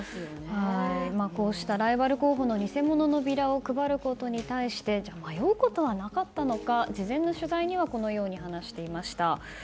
こうしたライバル候補の偽物のビラを配ることに対して迷うことはなかったのか事前の取材にはこのように話していました。